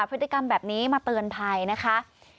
พฤติกรรมแบบนี้มาเตือนภัยนะคะ